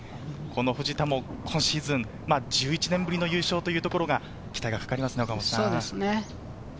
藤田も今シーズン、１１年ぶりの優勝が期待がかかりますね。